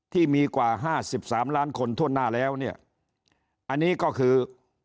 ที่มีกว่าห้าสิบสามล้านคนทั่วหน้าแล้วเนี่ยอันนี้ก็คือ